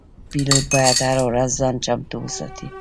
پیلوټ باید هره ورځ ځان چمتو وساتي.